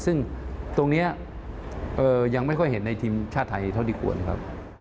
ซึ่งตรงนี้ยังไม่ค่อยเห็นในทีมชาติไทยเท่าที่ควรครับ